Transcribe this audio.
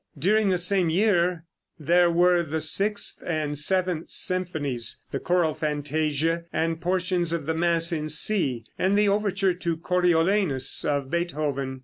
During the same year there were the sixth and seventh symphonies, the choral fantasia and portions of the mass in C, and the overture to "Coriolanus," of Beethoven.